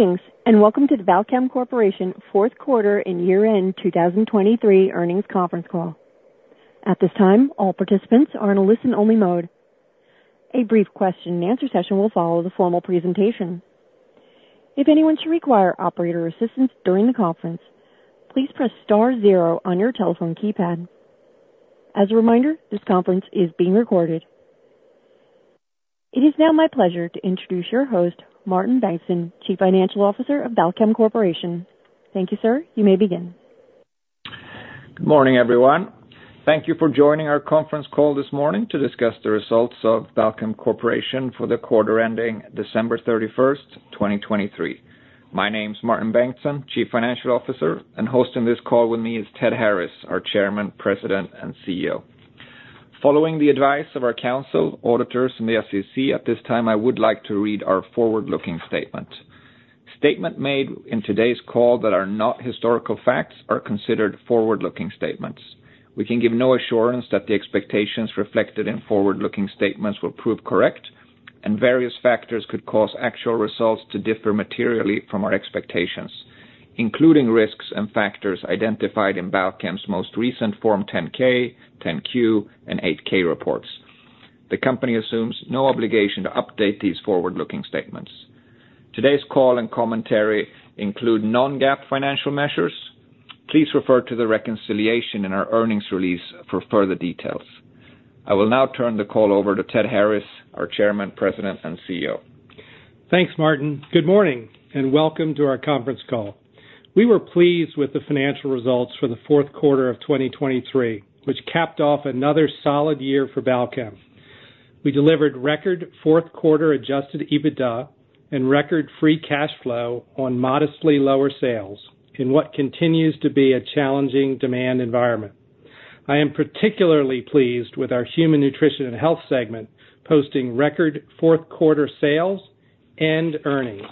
Greetings, and welcome to the Balchem Corporation fourth quarter and year-end 2023 earnings conference call. At this time, all participants are in a listen-only mode. A brief question-and-answer session will follow the formal presentation. If anyone should require operator assistance during the conference, please press star zero on your telephone keypad. As a reminder, this conference is being recorded. It is now my pleasure to introduce your host, Martin Bengtsson, Chief Financial Officer of Balchem Corporation. Thank you, sir. You may begin. Good morning, everyone. Thank you for joining our conference call this morning to discuss the results of Balchem Corporation for the quarter ending December 31st, 2023. My name is Martin Bengtsson, Chief Financial Officer, and hosting this call with me is Ted Harris, our Chairman, President, and CEO. Following the advice of our counsel, auditors, and the SEC, at this time, I would like to read our forward-looking statement. Statements made in today's call that are not historical facts are considered forward-looking statements. We can give no assurance that the expectations reflected in forward-looking statements will prove correct, and various factors could cause actual results to differ materially from our expectations, including risks and factors identified in Balchem's most recent Form 10-K, 10-Q, and 8-K reports. The company assumes no obligation to update these forward-looking statements. Today's call and commentary include non-GAAP financial measures. Please refer to the reconciliation in our earnings release for further details. I will now turn the call over to Ted Harris, our Chairman, President, and CEO. Thanks, Martin. Good morning, and welcome to our conference call. We were pleased with the financial results for the fourth quarter of 2023, which capped off another solid year for Balchem. We delivered record fourth quarter adjusted EBITDA and record free cash flow on modestly lower sales in what continues to be a challenging demand environment. I am particularly pleased with our Human Nutrition and Health segment, posting record fourth quarter sales and earnings.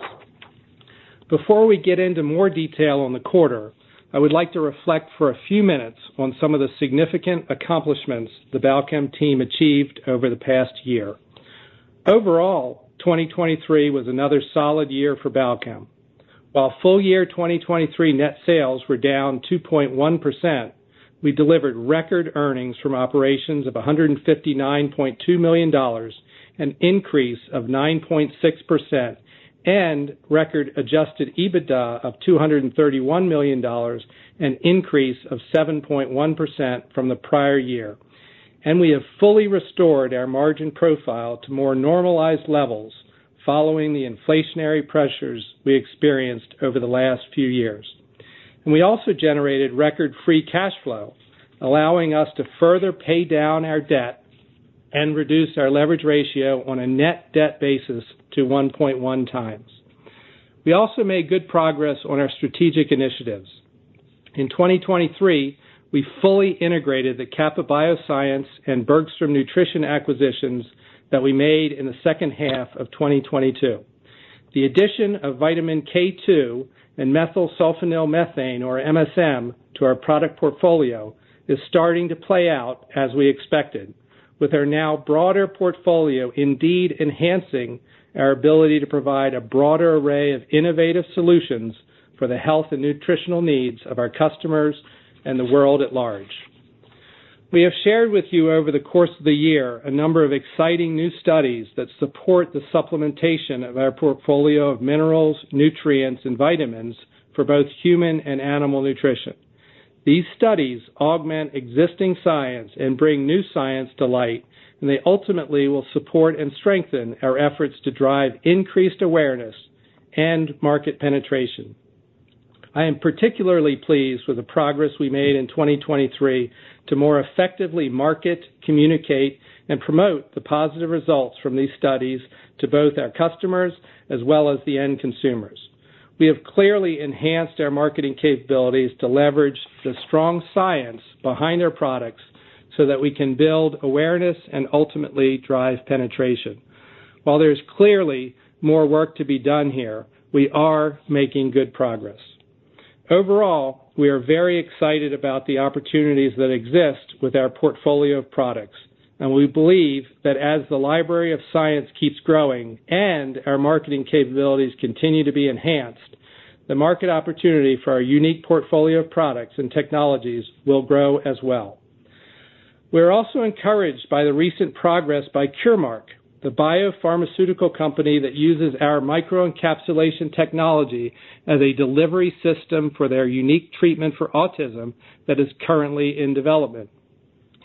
Before we get into more detail on the quarter, I would like to reflect for a few minutes on some of the significant accomplishments the Balchem team achieved over the past year. Overall, 2023 was another solid year for Balchem. While full year 2023 net sales were down 2.1%, we delivered record earnings from operations of $159.2 million, an increase of 9.6%, and record adjusted EBITDA of $231 million, an increase of 7.1% from the prior year. We have fully restored our margin profile to more normalized levels following the inflationary pressures we experienced over the last few years. We also generated record free cash flow, allowing us to further pay down our debt and reduce our leverage ratio on a net debt basis to 1.1 times. We also made good progress on our strategic initiatives. In 2023, we fully integrated the Kappa Bioscience and Bergstrom Nutrition acquisitions that we made in the second half of 2022. The addition of vitamin K2 and methylsulfonylmethane, or MSM, to our product portfolio is starting to play out as we expected, with our now broader portfolio indeed enhancing our ability to provide a broader array of innovative solutions for the health and nutritional needs of our customers and the world at large. We have shared with you over the course of the year a number of exciting new studies that support the supplementation of our portfolio of minerals, nutrients, and vitamins for both human and animal nutrition. These studies augment existing science and bring new science to light, and they ultimately will support and strengthen our efforts to drive increased awareness and market penetration. I am particularly pleased with the progress we made in 2023 to more effectively market, communicate, and promote the positive results from these studies to both our customers as well as the end consumers. We have clearly enhanced our marketing capabilities to leverage the strong science behind our products so that we can build awareness and ultimately drive penetration. While there is clearly more work to be done here, we are making good progress. Overall, we are very excited about the opportunities that exist with our portfolio of products, and we believe that as the library of science keeps growing and our marketing capabilities continue to be enhanced, the market opportunity for our unique portfolio of products and technologies will grow as well. We are also encouraged by the recent progress by Curemark, the biopharmaceutical company that uses our microencapsulation technology as a delivery system for their unique treatment for autism that is currently in development.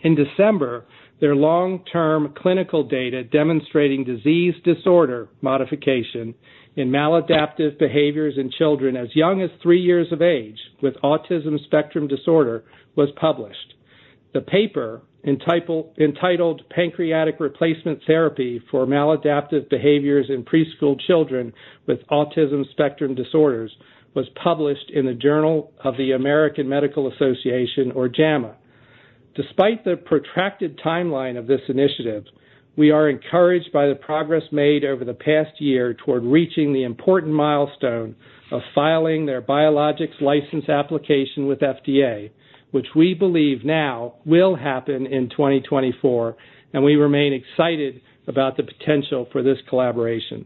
In December, their long-term clinical data demonstrating disease disorder modification in maladaptive behaviors in children as young as three years of age with autism spectrum disorder was published. The paper, entitled Pancreatic Replacement Therapy for Maladaptive Behaviors in Preschool Children with Autism Spectrum Disorders, was published in the Journal of the American Medical Association, or JAMA. Despite the protracted timeline of this initiative, we are encouraged by the progress made over the past year toward reaching the important milestone of filing their Biologics License Application with FDA, which we believe now will happen in 2024, and we remain excited about the potential for this collaboration.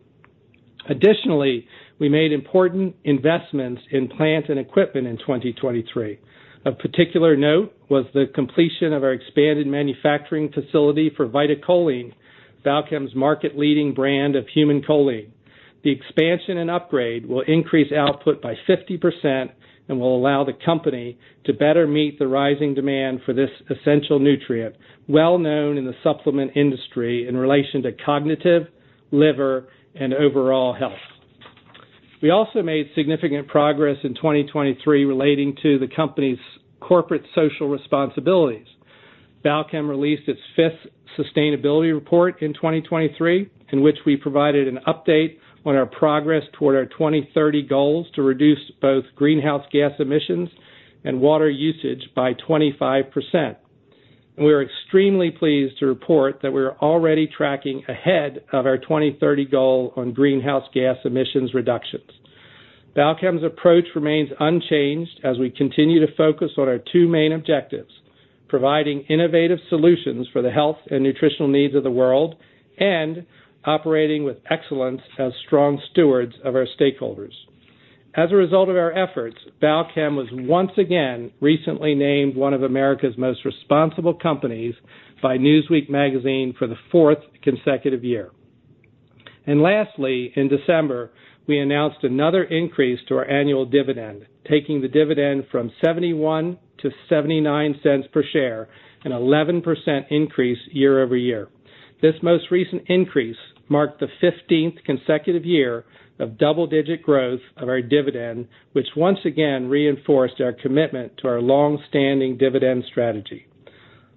Additionally, we made important investments in plant and equipment in 2023. Of particular note was the completion of our expanded manufacturing facility for VitaCholine, Balchem's market-leading brand of human choline. The expansion and upgrade will increase output by 50% and will allow the company to better meet the rising demand for this essential nutrient, well known in the supplement industry in relation to cognitive, liver, and overall health. We also made significant progress in 2023 relating to the company's corporate social responsibilities. Balchem released its fifth sustainability report in 2023, in which we provided an update on our progress toward our 2030 goals to reduce both greenhouse gas emissions and water usage by 25%. We are extremely pleased to report that we are already tracking ahead of our 2030 goal on greenhouse gas emissions reductions. Balchem's approach remains unchanged as we continue to focus on our two main objectives: providing innovative solutions for the health and nutritional needs of the world, and operating with excellence as strong stewards of our stakeholders. As a result of our efforts, Balchem was once again recently named one of America's Most Responsible Companies by Newsweek magazine for the fourth consecutive year. Lastly, in December, we announced another increase to our annual dividend, taking the dividend from $0.71 to $0.79 per share, an 11% increase year-over-year. This most recent increase marked the 15th consecutive year of double-digit growth of our dividend, which once again reinforced our commitment to our long-standing dividend strategy.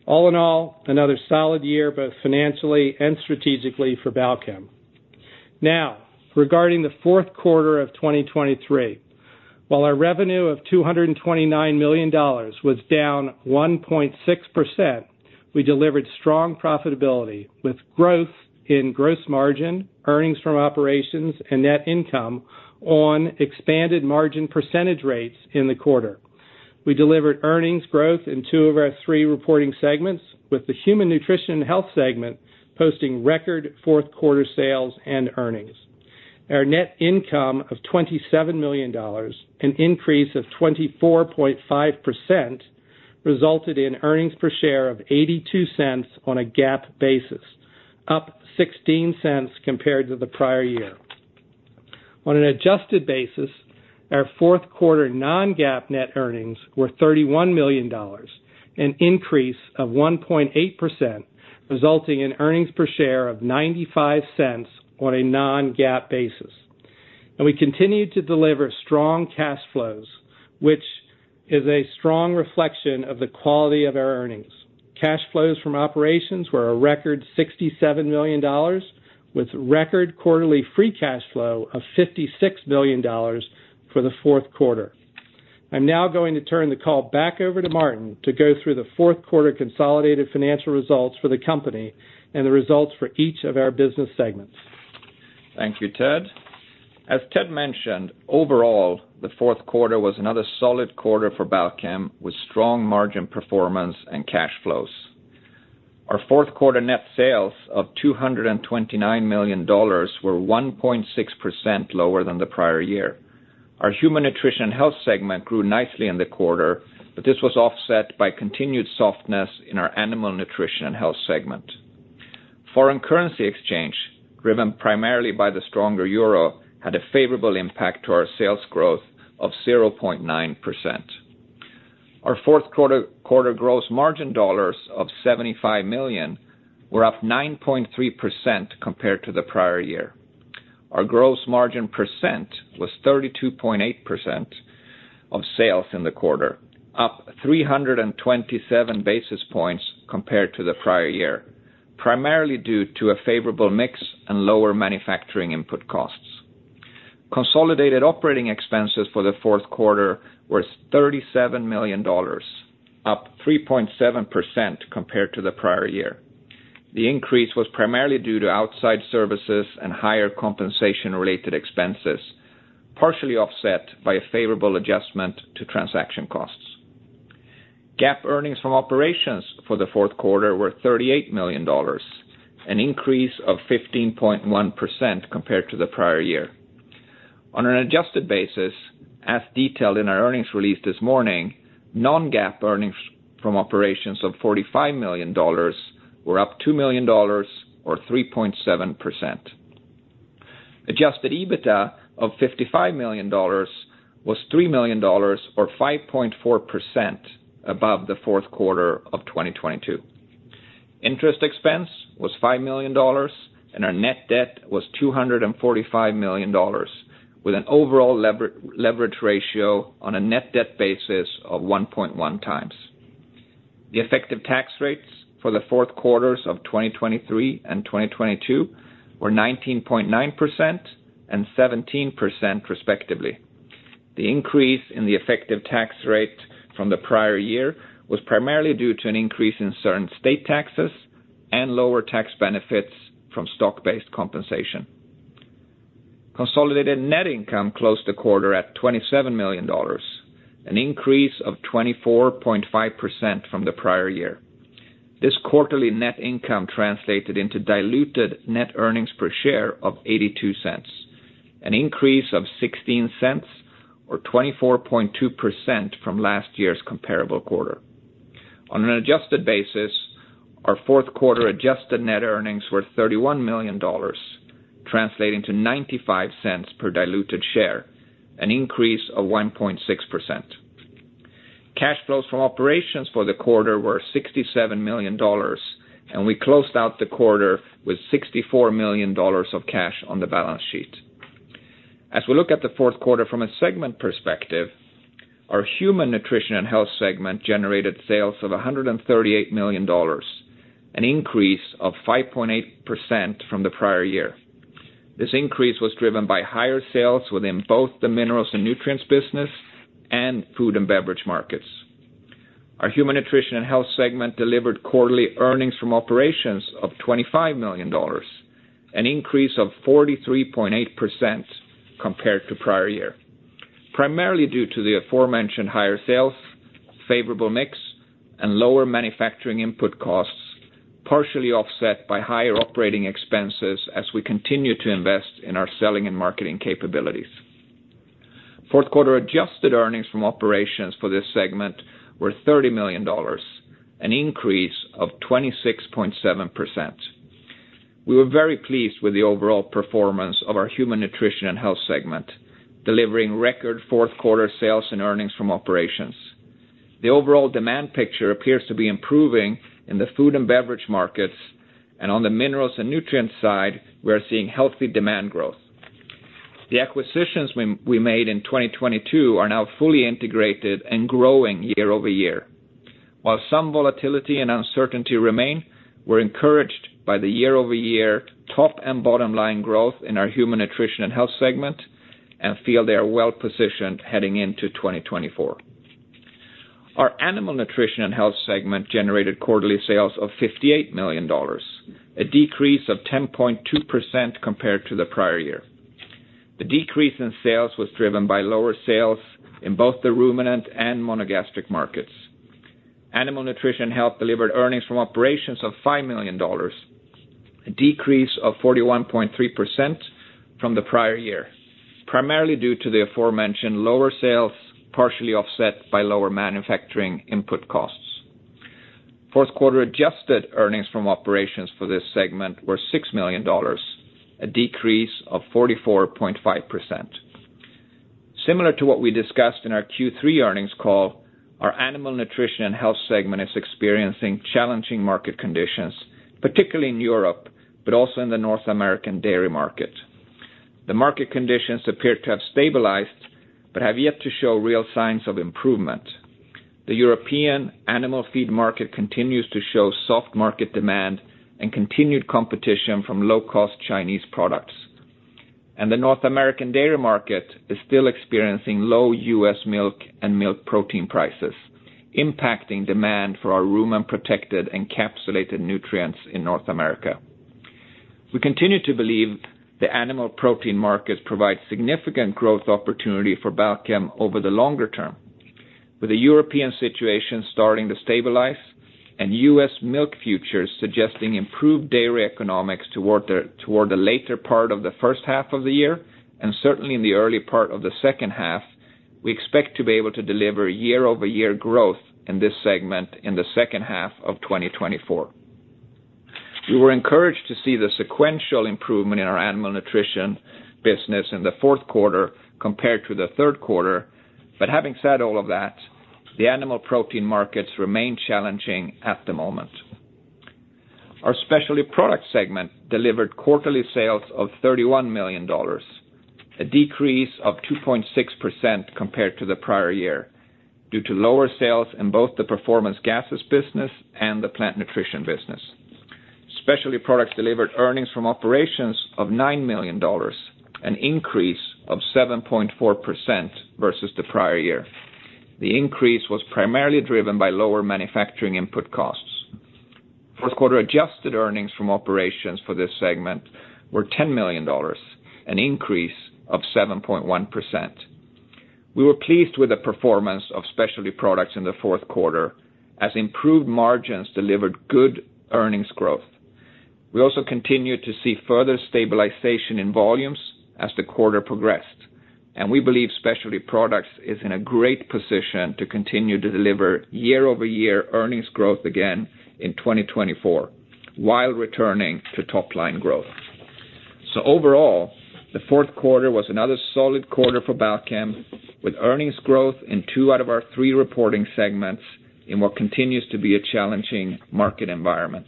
All in all, another solid year, both financially and strategically, for Balchem. Now, regarding the fourth quarter of 2023, while our revenue of $229 million was down 1.6%, we delivered strong profitability, with growth in gross margin, earnings from operations, and net income on expanded margin percentage rates in the quarter. We delivered earnings growth in two of our three reporting segments, with the Human Nutrition and Health segment posting record fourth quarter sales and earnings. Our net income of $27 million, an increase of 24.5%, resulted in earnings per share of $0.82 on a GAAP basis, up $0.16 compared to the prior year. On an adjusted basis, our fourth quarter non-GAAP net earnings were $31 million, an increase of 1.8%, resulting in earnings per share of $0.95 on a non-GAAP basis. We continued to deliver strong cash flows, which is a strong reflection of the quality of our earnings. Cash flows from operations were a record $67 million, with record quarterly free cash flow of $56 million for the fourth quarter. I'm now going to turn the call back over to Martin to go through the fourth quarter consolidated financial results for the company and the results for each of our business segments. Thank you, Ted. As Ted mentioned, overall, the fourth quarter was another solid quarter for Balchem, with strong margin performance and cash flows. Our fourth quarter net sales of $229 million were 1.6% lower than the prior year. Our Human Nutrition and Health segment grew nicely in the quarter, but this was offset by continued softness in our Animal Nutrition and Health segment. Foreign currency exchange, driven primarily by the stronger euro, had a favorable impact to our sales growth of 0.9%. Our fourth quarter gross margin dollars of $75 million were up 9.3% compared to the prior year. Our gross margin percent was 32.8% of sales in the quarter, up 327 basis points compared to the prior year, primarily due to a favorable mix and lower manufacturing input costs. Consolidated operating expenses for the fourth quarter were $37 million, up 3.7% compared to the prior year. The increase was primarily due to outside services and higher compensation-related expenses, partially offset by a favorable adjustment to transaction costs. GAAP earnings from operations for the fourth quarter were $38 million, an increase of 15.1% compared to the prior year. On an adjusted basis, as detailed in our earnings release this morning, non-GAAP earnings from operations of $45 million were up $2 million, or 3.7%. Adjusted EBITDA of $55 million was $3 million, or 5.4% above the fourth quarter of 2022. Interest expense was $5 million, and our net debt was $245 million, with an overall leverage ratio on a net debt basis of 1.1 times. The effective tax rates for the fourth quarters of 2023 and 2022 were 19.9% and 17%, respectively. The increase in the effective tax rate from the prior year was primarily due to an increase in certain state taxes and lower tax benefits from stock-based compensation. Consolidated net income closed the quarter at $27 million, an increase of 24.5% from the prior year.... This quarterly net income translated into diluted net earnings per share of $0.82, an increase of $0.16 or 24.2% from last year's comparable quarter. On an adjusted basis, our fourth quarter adjusted net earnings were $31 million, translating to $0.95 per diluted share, an increase of 1.6%. Cash flows from operations for the quarter were $67 million, and we closed out the quarter with $64 million of cash on the balance sheet. As we look at the fourth quarter from a segment perspective, our Human Nutrition and Health segment generated sales of $138 million, an increase of 5.8% from the prior year. This increase was driven by higher sales within both the minerals and nutrients business and food and beverage markets. Our Human Nutrition and Health segment delivered quarterly earnings from operations of $25 million, an increase of 43.8% compared to prior year, primarily due to the aforementioned higher sales, favorable mix, and lower manufacturing input costs, partially offset by higher operating expenses as we continue to invest in our selling and marketing capabilities. Fourth quarter adjusted earnings from operations for this segment were $30 million, an increase of 26.7%. We were very pleased with the overall performance of our Human Nutrition and Health segment, delivering record fourth quarter sales and earnings from operations. The overall demand picture appears to be improving in the food and beverage markets, and on the minerals and nutrients side, we are seeing healthy demand growth. The acquisitions we made in 2022 are now fully integrated and growing year-over-year. While some volatility and uncertainty remain, we're encouraged by the year-over-year top and bottom line growth in our Human Nutrition and Health segment and feel they are well positioned heading into 2024. Our Animal Nutrition and Health segment generated quarterly sales of $58 million, a decrease of 10.2% compared to the prior year. The decrease in sales was driven by lower sales in both the ruminant and monogastric markets. Animal Nutrition and Health delivered earnings from operations of $5 million, a decrease of 41.3% from the prior year, primarily due to the aforementioned lower sales, partially offset by lower manufacturing input costs. Fourth quarter adjusted earnings from operations for this segment were $6 million, a decrease of 44.5%. Similar to what we discussed in our Q3 earnings call, our Animal Nutrition and Health segment is experiencing challenging market conditions, particularly in Europe, but also in the North American dairy market. The market conditions appear to have stabilized, but have yet to show real signs of improvement. The European animal feed market continues to show soft market demand and continued competition from low-cost Chinese products. The North American dairy market is still experiencing low U.S. milk and milk protein prices, impacting demand for our rumen-protected encapsulated nutrients in North America. We continue to believe the animal protein market provides significant growth opportunity for Balchem over the longer term. With the European situation starting to stabilize and U.S. milk futures suggesting improved dairy economics toward the later part of the first half of the year, and certainly in the early part of the second half, we expect to be able to deliver year-over-year growth in this segment in the second half of 2024. We were encouraged to see the sequential improvement in our Animal Nutrition business in the fourth quarter compared to the third quarter, but having said all of that, the animal protein markets remain challenging at the moment. Our Specialty Products segment delivered quarterly sales of $31 million, a decrease of 2.6% compared to the prior year, due to lower sales in both the Performance Gases business and the Plant Nutrition business. Specialty Products delivered earnings from operations of $9 million, an increase of 7.4% versus the prior year. The increase was primarily driven by lower manufacturing input costs. Fourth quarter adjusted earnings from operations for this segment were $10 million, an increase of 7.1%. We were pleased with the performance of Specialty Products in the fourth quarter, as improved margins delivered good earnings growth. We also continued to see further stabilization in volumes as the quarter progressed, and we believe Specialty Products is in a great position to continue to deliver year-over-year earnings growth again in 2024, while returning to top-line growth. So overall, the fourth quarter was another solid quarter for Balchem, with earnings growth in two out of our three reporting segments in what continues to be a challenging market environment.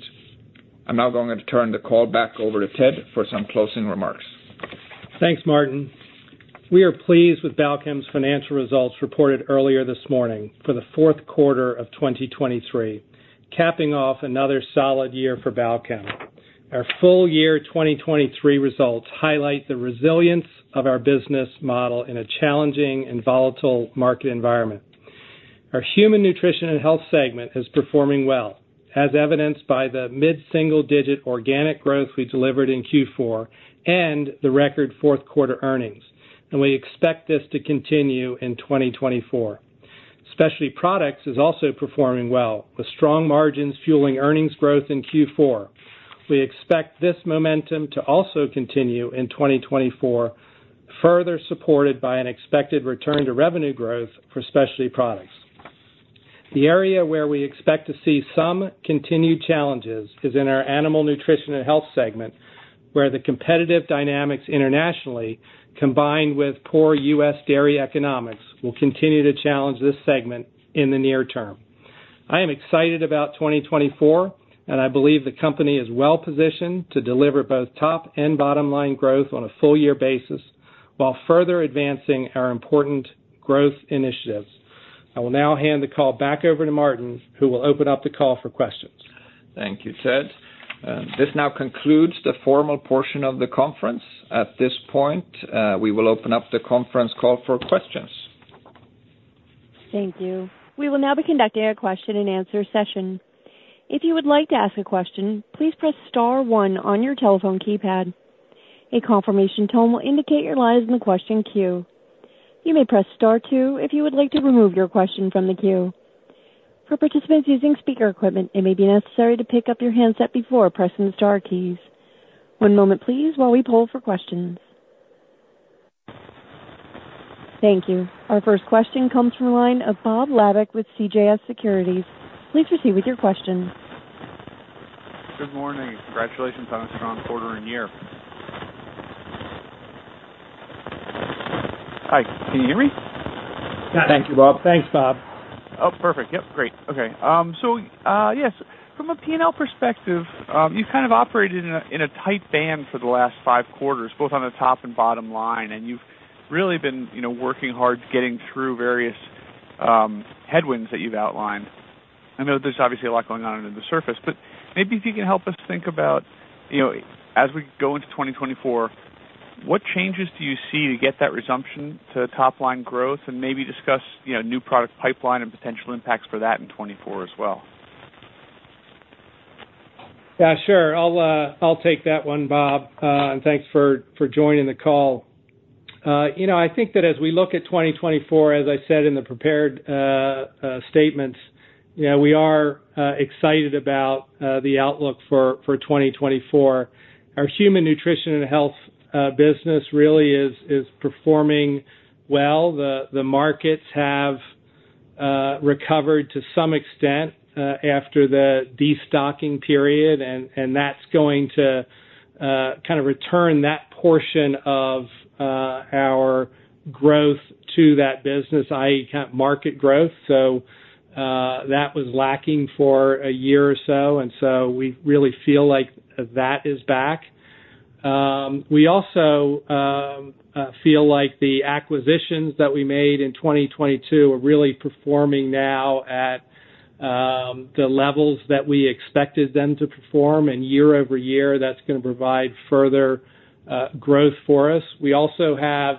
I'm now going to turn the call back over to Ted for some closing remarks. Thanks, Martin. We are pleased with Balchem's financial results reported earlier this morning for the fourth quarter of 2023, capping off another solid year for Balchem. Our full year 2023 results highlight the resilience of our business model in a challenging and volatile market environment. Our Human Nutrition and Health segment is performing well, as evidenced by the mid-single-digit organic growth we delivered in Q4 and the record fourth quarter earnings... and we expect this to continue in 2024. Specialty Products is also performing well, with strong margins fueling earnings growth in Q4. We expect this momentum to also continue in 2024, further supported by an expected return to revenue growth for Specialty Products. The area where we expect to see some continued challenges is in our Animal Nutrition and Health segment, where the competitive dynamics internationally, combined with poor U.S. dairy economics, will continue to challenge this segment in the near term. I am excited about 2024, and I believe the company is well positioned to deliver both top and bottom line growth on a full year basis, while further advancing our important growth initiatives. I will now hand the call back over to Martin, who will open up the call for questions. Thank you, Ted. This now concludes the formal portion of the conference. At this point, we will open up the conference call for questions. Thank you. We will now be conducting a question-and-answer session. If you would like to ask a question, please press star one on your telephone keypad. A confirmation tone will indicate your line is in the question queue. You may press star two if you would like to remove your question from the queue. For participants using speaker equipment, it may be necessary to pick up your handset before pressing the star keys. One moment, please, while we poll for questions. Thank you. Our first question comes from the line of Bob Labick with CJS Securities. Please proceed with your question. Good morning. Congratulations on a strong quarter and year. Hi, can you hear me? Thank you, Bob. Thanks, Bob. Oh, perfect. Yep, great. Okay, so, yes, from a P&L perspective, you've kind of operated in a, in a tight band for the last five quarters, both on the top and bottom line, and you've really been, you know, working hard getting through various, headwinds that you've outlined. I know there's obviously a lot going on under the surface, but maybe if you can help us think about, you know, as we go into 2024, what changes do you see to get that resumption to top-line growth and maybe discuss, you know, new product pipeline and potential impacts for that in 2024 as well? Yeah, sure. I'll take that one, Bob, and thanks for joining the call. You know, I think that as we look at 2024, as I said in the prepared statements, you know, we are excited about the outlook for 2024. Our Human Nutrition and Health business really is performing well. The markets have recovered to some extent after the destocking period, and that's going to kind of return that portion of our growth to that business, i.e., kind of market growth. So, that was lacking for a year or so, and so we really feel like that is back. We also feel like the acquisitions that we made in 2022 are really performing now at the levels that we expected them to perform, and year-over-year, that's gonna provide further growth for us. We also have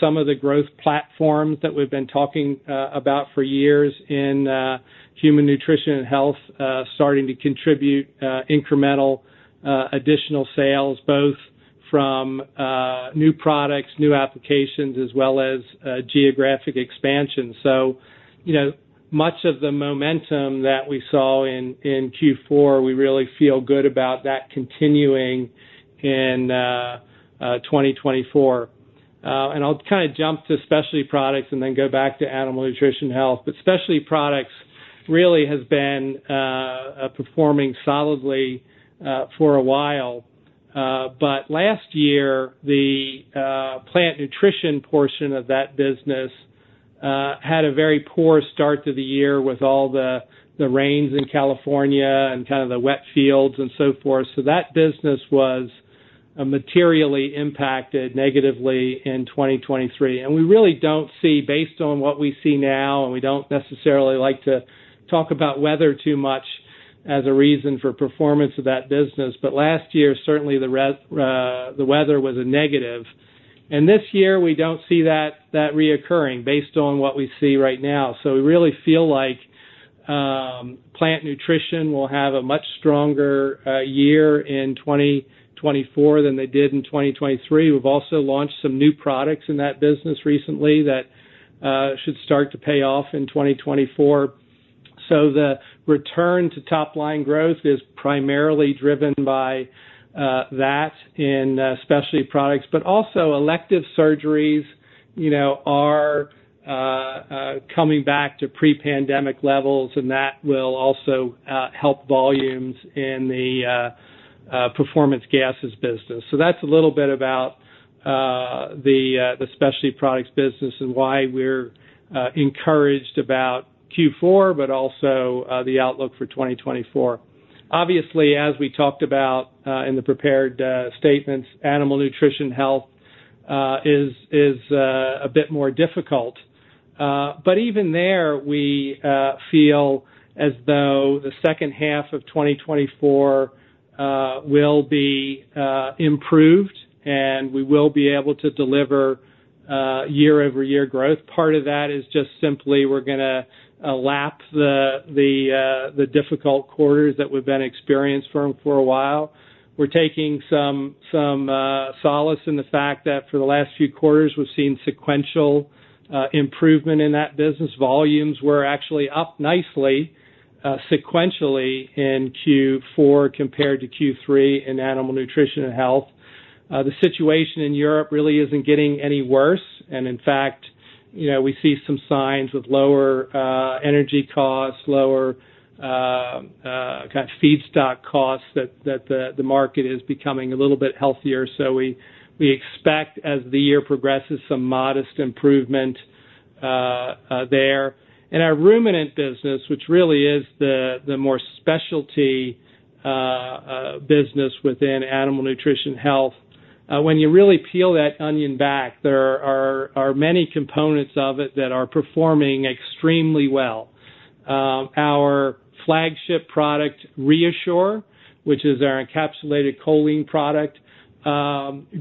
some of the growth platforms that we've been talking about for years in Human Nutrition and Health starting to contribute incremental additional sales, both from new products, new applications, as well as geographic expansion. So, you know, much of the momentum that we saw in Q4, we really feel good about that continuing in 2024. And I'll kind of jump to Specialty Products and then go back to Animal Nutrition and Health. But Specialty Products really has been performing solidly for a while. But last year, the Plant Nutrition portion of that business had a very poor start to the year with all the rains in California and kind of the wet fields and so forth. So that business was materially impacted negatively in 2023. And we really don't see, based on what we see now, and we don't necessarily like to talk about weather too much as a reason for performance of that business, but last year, certainly the weather was a negative. And this year, we don't see that reoccurring based on what we see right now. So we really feel like Plant Nutrition will have a much stronger year in 2024 than they did in 2023. We've also launched some new products in that business recently that should start to pay off in 2024. So the return to top-line growth is primarily driven by that in Specialty Products, but also elective surgeries, you know, are coming back to pre-pandemic levels, and that will also help volumes in the Performance Gases business. So that's a little bit about the Specialty Products business and why we're encouraged about Q4, but also the outlook for 2024. Obviously, as we talked about in the prepared statements, Animal Nutrition Health is a bit more difficult. But even there, we feel as though the second half of 2024 will be improved, and we will be able to deliver year-over-year growth. Part of that is just simply we're gonna lap the difficult quarters that we've been experienced from for a while. We're taking some solace in the fact that for the last few quarters, we've seen sequential improvement in that business. Volumes were actually up nicely sequentially in Q4 compared to Q3 in Animal Nutrition and Health. The situation in Europe really isn't getting any worse, and in fact, you know, we see some signs with lower energy costs, lower kind of feedstock costs that the market is becoming a little bit healthier. So we expect, as the year progresses, some modest improvement there. In our ruminant business, which really is the more specialty business within Animal Nutrition Health, when you really peel that onion back, there are many components of it that are performing extremely well. Our flagship product, ReaShure, which is our encapsulated choline product,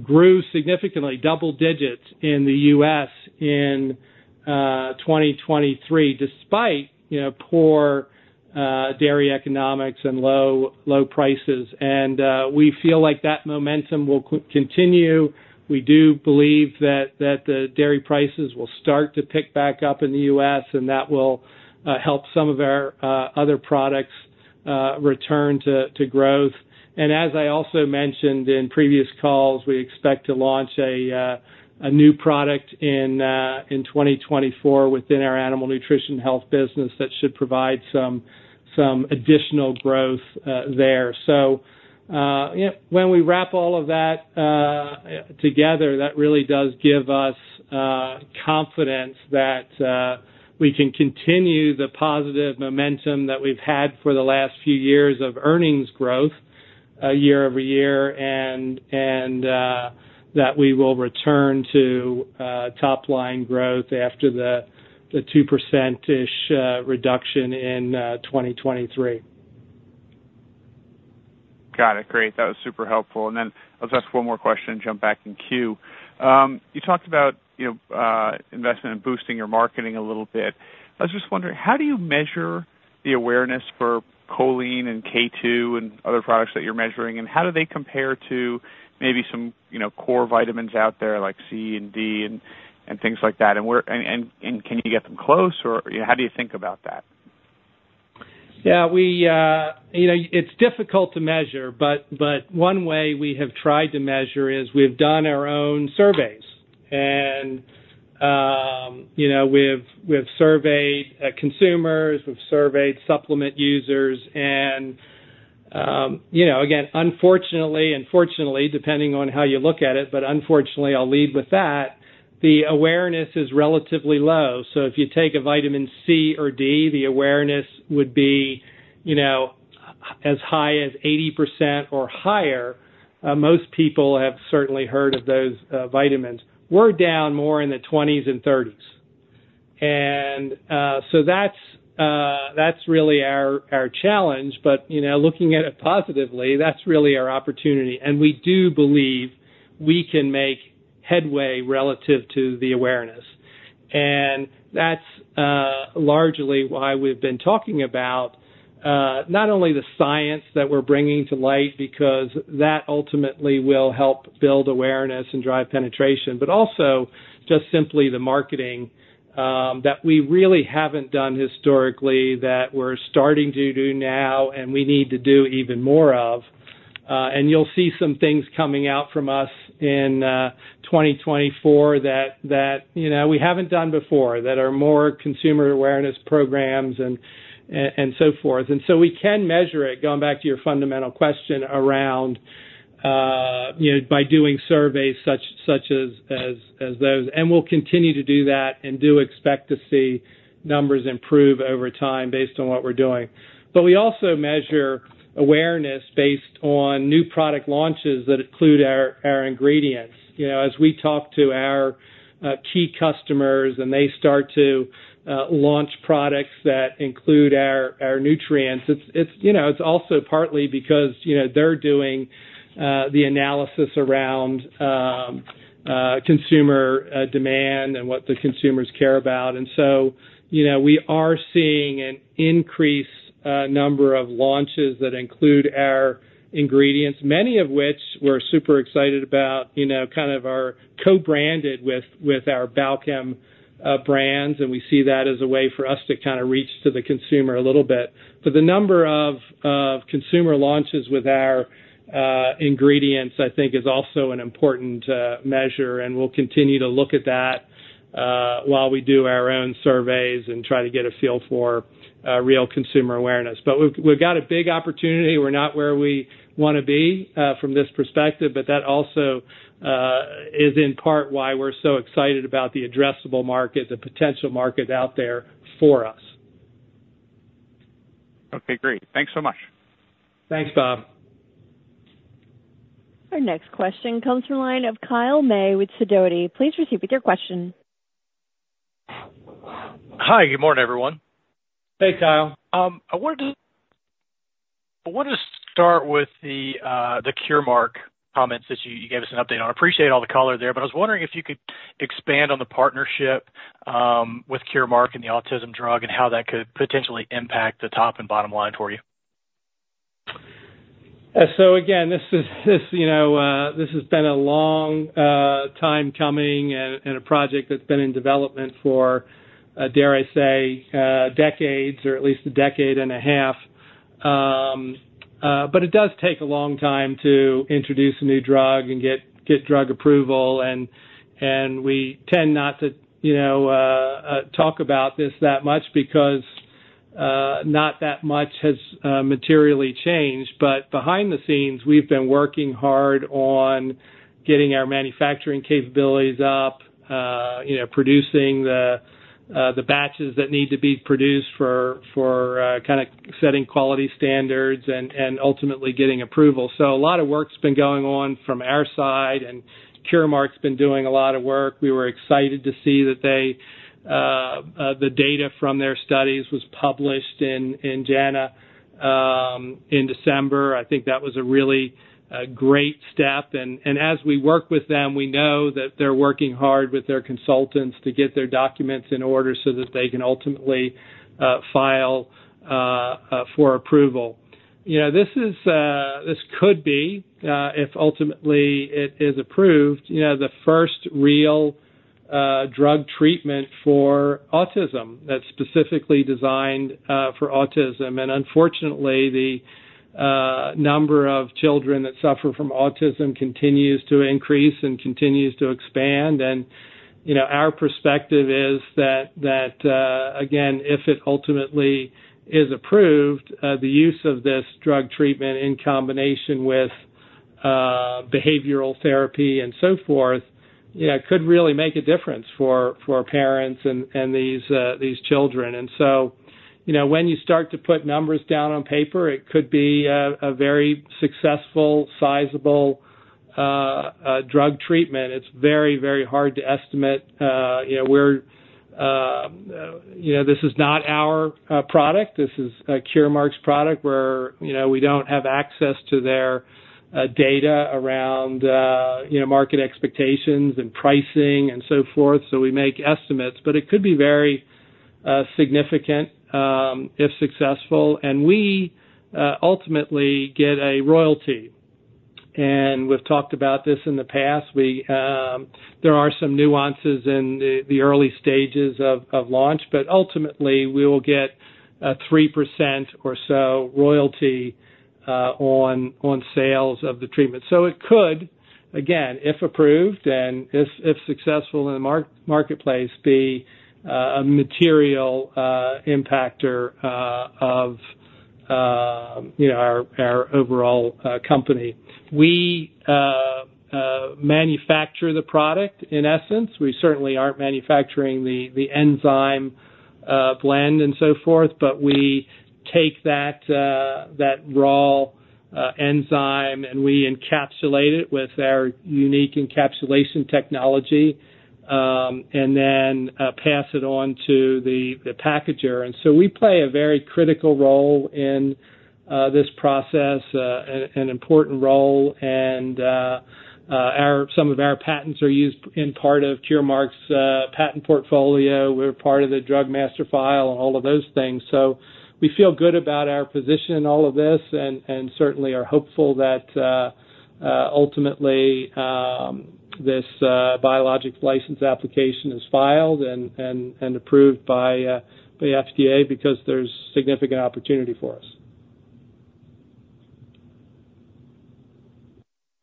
grew significantly, double digits in the U.S. in 2023, despite, you know, poor dairy economics and low, low prices. And we feel like that momentum will continue. We do believe that the dairy prices will start to pick back up in the U.S., and that will help some of our other products return to growth. And as I also mentioned in previous calls, we expect to launch a new product in 2024 within our Animal Nutrition Health business that should provide some additional growth there. So, when we wrap all of that together, that really does give us confidence that we can continue the positive momentum that we've had for the last few years of earnings growth year-over-year, and, and, that we will return to top line growth after the, the 2%-ish reduction in 2023. Got it. Great. That was super helpful. And then I'll just one more question and jump back in queue. You talked about, you know, investment in boosting your marketing a little bit. I was just wondering, how do you measure the awareness for choline and K2 and other products that you're measuring? And how do they compare to maybe some, you know, core vitamins out there, like C and D and things like that? And where can you get them close, or how do you think about that? Yeah, we, you know, it's difficult to measure, but one way we have tried to measure is we've done our own surveys. And, you know, we've surveyed consumers, we've surveyed supplement users, and, you know, again, unfortunately, and fortunately, depending on how you look at it, but unfortunately, I'll lead with that, the awareness is relatively low. So if you take a vitamin C or D, the awareness would be, you know, as high as 80% or higher. Most people have certainly heard of those vitamins. We're down more in the 20s and 30s. And, so that's really our challenge, but, you know, looking at it positively, that's really our opportunity, and we do believe we can make headway relative to the awareness. And that's largely why we've been talking about not only the science that we're bringing to light, because that ultimately will help build awareness and drive penetration, but also just simply the marketing that we really haven't done historically that we're starting to do now and we need to do even more of. And you'll see some things coming out from us in 2024 that you know we haven't done before that are more consumer awareness programs and so forth. And so we can measure it, going back to your fundamental question around you know by doing surveys such as those. And we'll continue to do that and do expect to see numbers improve over time based on what we're doing. But we also measure awareness based on new product launches that include our ingredients. You know, as we talk to our key customers and they start to launch products that include our our nutrients, it's it's you know it's also partly because you know they're doing the analysis around consumer demand and what the consumers care about. And so, you know, we are seeing an increased number of launches that include our ingredients, many of which we're super excited about, you know, kind of are co-branded with with our Balchem brands, and we see that as a way for us to kind of reach to the consumer a little bit. But the number of of consumer launches with our ingredients, I think, is also an important measure, and we'll continue to look at that while we do our own surveys and try to get a feel for real consumer awareness. But we've got a big opportunity. We're not where we wanna be, from this perspective, but that also is in part why we're so excited about the addressable market, the potential market out there for us. Okay, great. Thanks so much. Thanks, Bob. Our next question comes from line of Kyle May with Sidoti. Please proceed with your question. Hi, good morning, everyone. Hey, Kyle. I want to start with the, the Curemark comments that you, you gave us an update on. I appreciate all the color there, but I was wondering if you could expand on the partnership with Curemark and the autism drug, and how that could potentially impact the top and bottom line for you. So again, this is, you know, this has been a long time coming and a project that's been in development for, dare I say, decades, or at least a decade and a half. But it does take a long time to introduce a new drug and get drug approval, and we tend not to, you know, talk about this that much because not that much has materially changed. But behind the scenes, we've been working hard on getting our manufacturing capabilities up, you know, producing the batches that need to be produced for kind of setting quality standards and ultimately getting approval. So a lot of work's been going on from our side, and Curemark's been doing a lot of work. We were excited to see that the data from their studies was published in JAMA in December. I think that was a really great step, and as we work with them, we know that they're working hard with their consultants to get their documents in order so that they can ultimately file for approval. You know, this could be, if ultimately it is approved, you know, the first real drug treatment for autism that's specifically designed for autism. Unfortunately, the number of children that suffer from autism continues to increase and continues to expand. You know, our perspective is that again, if it ultimately is approved, the use of this drug treatment in combination with behavioral therapy and so forth, yeah, could really make a difference for parents and these children. So, you know, when you start to put numbers down on paper, it could be a very successful, sizable drug treatment. It's very, very hard to estimate. You know, this is not our product. This is Curemark's product, where, you know, we don't have access to their data around, you know, market expectations and pricing and so forth, so we make estimates. But it could be very significant if successful. And we ultimately get a royalty, and we've talked about this in the past. We, there are some nuances in the early stages of launch, but ultimately, we will get a 3% or so royalty on sales of the treatment. So it could, again, if approved and if successful in the marketplace, be a material impacter of, you know, our overall company. We manufacture the product, in essence. We certainly aren't manufacturing the enzyme blend and so forth, but we take that raw enzyme, and we encapsulate it with our unique encapsulation technology and then pass it on to the packager. And so we play a very critical role in this process, an important role, and some of our patents are used in part of Curemark's patent portfolio. We're part of the Drug Master File and all of those things. So we feel good about our position in all of this and certainly are hopeful that ultimately this Biologics License Application is filed and approved by the FDA because there's significant opportunity for us.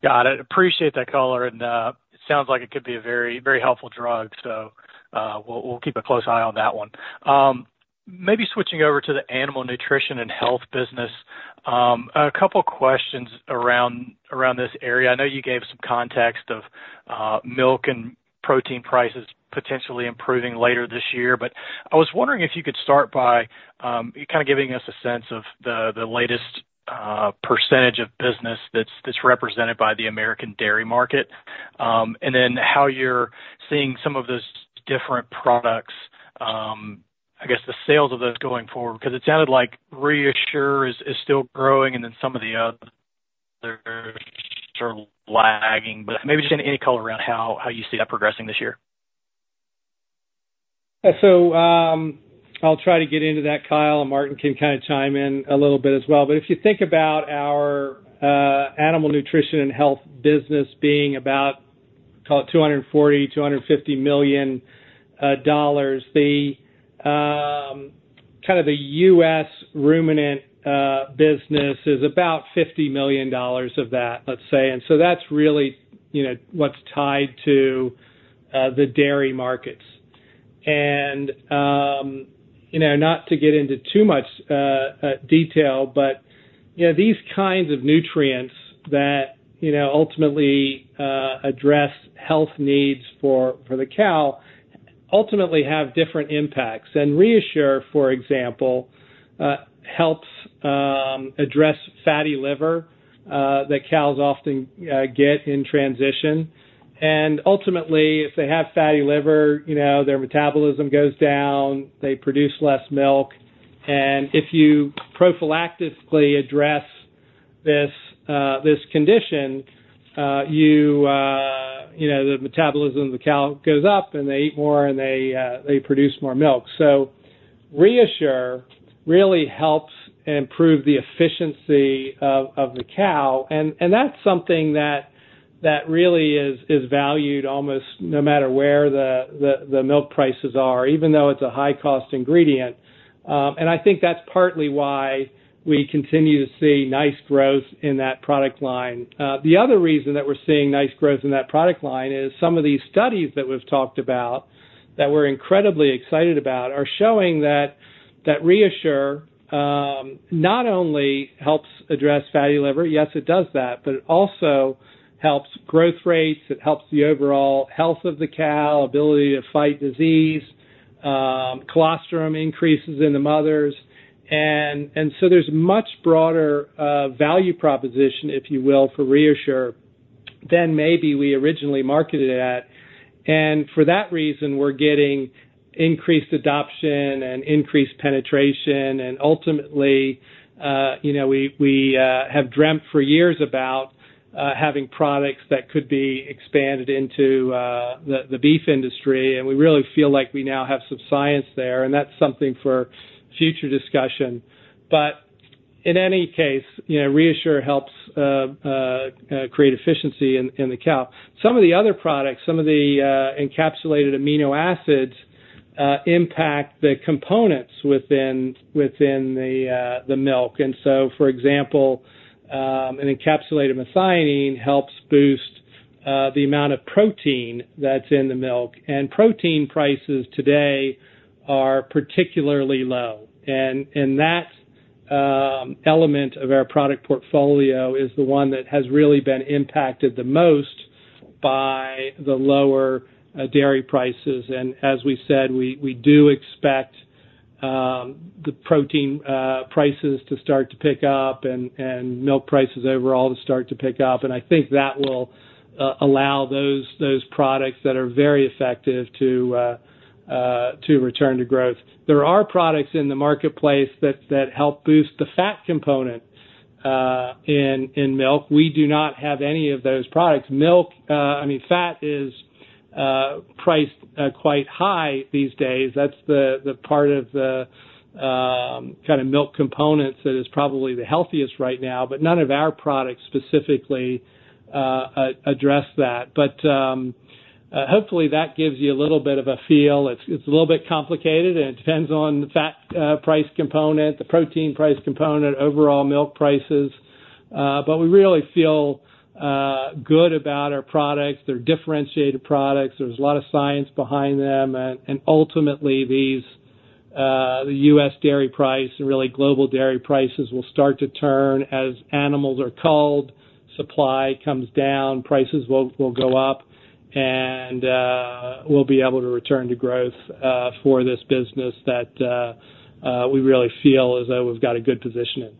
Got it. Appreciate that color, and it sounds like it could be a very, very helpful drug, so we'll, we'll keep a close eye on that one. Maybe switching over to the Animal Nutrition and Health business. A couple questions around this area. I know you gave some context of milk and protein prices potentially improving later this year, but I was wondering if you could start by kind of giving us a sense of the latest percentage of business that's represented by the American dairy market, and then how you're seeing some of those different products, I guess, the sales of those going forward, because it sounded like ReaShure is still growing, and then some of the others are lagging. But maybe just any color around how you see that progressing this year. Yeah. So, I'll try to get into that, Kyle, and Martin can kind of chime in a little bit as well. But if you think about our Animal Nutrition and Health business being about, call it $240 million-$250 million, the kind of the U.S. ruminant business is about $50 million of that, let's say. And so that's really, you know, what's tied to the dairy markets. And you know, not to get into too much detail, but you know, these kinds of nutrients that you know, ultimately address health needs for, for the cow, ultimately have different impacts. And ReaShure, for example, helps address fatty liver that cows often get in transition.... And ultimately, if they have fatty liver, you know, their metabolism goes down, they produce less milk. And if you prophylactically address this, this condition, you know, the metabolism of the cow goes up, and they eat more, and they produce more milk. So ReaShure really helps improve the efficiency of the cow, and that's something that really is valued almost no matter where the milk prices are, even though it's a high-cost ingredient. And I think that's partly why we continue to see nice growth in that product line. The other reason that we're seeing nice growth in that product line is some of these studies that we've talked about, that we're incredibly excited about, are showing that ReaShure not only helps address fatty liver, yes, it does that, but it also helps growth rates. It helps the overall health of the cow, ability to fight disease, colostrum increases in the mothers. And so there's much broader value proposition, if you will, for ReaShure, than maybe we originally marketed it at. And for that reason, we're getting increased adoption and increased penetration. And ultimately, you know, we have dreamt for years about having products that could be expanded into the beef industry, and we really feel like we now have some science there, and that's something for future discussion. But in any case, you know, ReaShure helps create efficiency in the cow. Some of the other products, some of the encapsulated amino acids impact the components within the milk. And so, for example, an encapsulated methionine helps boost the amount of protein that's in the milk, and protein prices today are particularly low. And that element of our product portfolio is the one that has really been impacted the most by the lower dairy prices. And as we said, we do expect the protein prices to start to pick up and milk prices overall to start to pick up. And I think that will allow those products that are very effective to return to growth. There are products in the marketplace that help boost the fat component in milk. We do not have any of those products. Milk, I mean, fat is priced quite high these days. That's the part of the kind of milk components that is probably the healthiest right now, but none of our products specifically address that. But hopefully, that gives you a little bit of a feel. It's a little bit complicated, and it depends on the fat price component, the protein price component, overall milk prices. But we really feel good about our products. They're differentiated products. There's a lot of science behind them. And ultimately, the U.S. dairy price and really global dairy prices will start to turn as animals are culled, supply comes down, prices will go up, and we'll be able to return to growth for this business that we really feel as though we've got a good position in.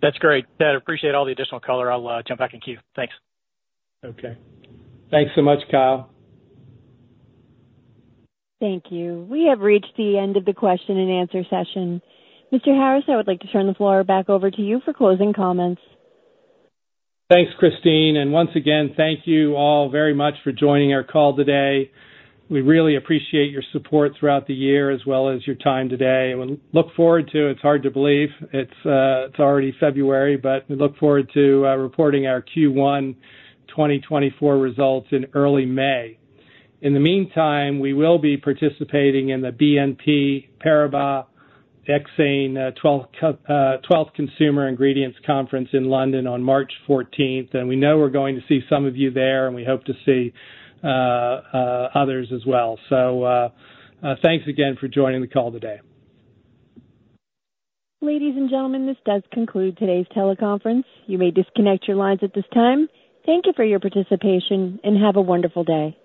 That's great. Ted, appreciate all the additional color. I'll jump back in queue. Thanks. Okay. Thanks so much, Kyle. Thank you. We have reached the end of the question and answer session. Mr. Harris, I would like to turn the floor back over to you for closing comments. Thanks, Christine, and once again, thank you all very much for joining our call today. We really appreciate your support throughout the year as well as your time today, and we look forward to—it's hard to believe it's already February, but we look forward to reporting our Q1 2024 results in early May. In the meantime, we will be participating in the BNP Paribas Exane Twelfth Consumer Ingredients Conference in London on March 14th, and we know we're going to see some of you there, and we hope to see others as well. So, thanks again for joining the call today. Ladies and gentlemen, this does conclude today's teleconference. You may disconnect your lines at this time. Thank you for your participation, and have a wonderful day.